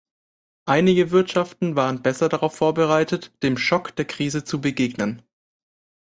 Einige Wirtschaften waren besser darauf vorbereitet, dem Schock der Krise zu begegnen.